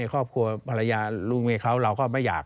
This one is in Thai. ครอบครัวภรรยาลูกเมียเขาเราก็ไม่อยาก